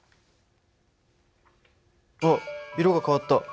あっ色が変わった。